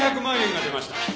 ７００万円が出ました。